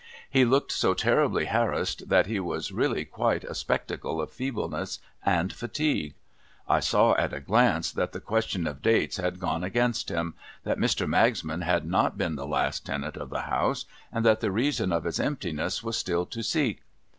He looked so terribly harassed, that he was really quite a spectacle of feebleness and fatigue. I saw, at a glance, that the question of dates had gone against him, that Mr. Magsman had not been the last tenant of the House, and that the reason of its emptiness was still to seek.